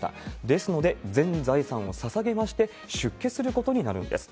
ですので、全財産をささげまして、出家することになるんです。